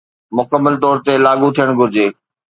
مڪمل طور تي لاڳو ٿيڻ گهرجي